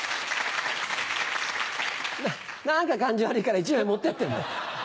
何か感じ悪いから１枚持ってってもう。